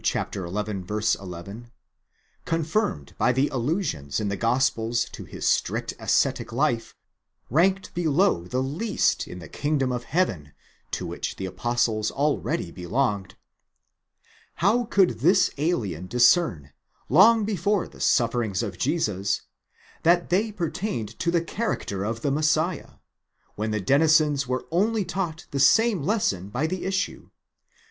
xi. 11, confirmed by the allusions in the Gospels to his strict ascetic life, ranked below the least in the kingdom of heaven, to which the apostles already belonged—how could this alien discern, long before the sufferings of Jesus, that they pertained to the character of the Messiah, when the denizens were only taught the same lesson by the issue?